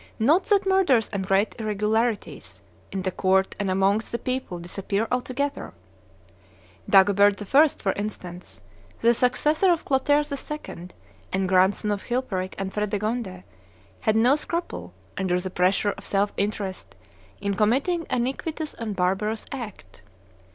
Not that murders and great irregularities, in the court and amongst the people, disappear altogether. Dagobert I., for instance, the successor of Clotaire II., and grandson of Chilperic and Fredegonde, had no scruple, under the pressure of self interest, in committing an iniquitous and barbarous act.